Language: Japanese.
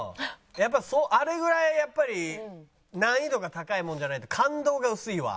あれぐらいやっぱり難易度が高いものじゃないと感動が薄いわ。